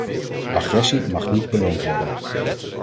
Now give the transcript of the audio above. Agressie mag niet beloond worden.